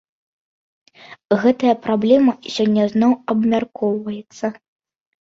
Гэтая праблема сёння зноў абмяркоўваецца.